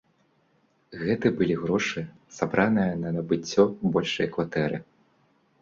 Гэты былі грошы, сабраныя на набыццё большай кватэры.